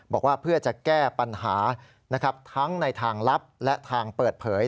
บอกว่าเพื่อจะแก้ปัญหาทั้งในทางลับและทางเปิดเผย